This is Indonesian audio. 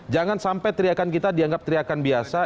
jangan sampai teriakan kita dianggap teriakan biasa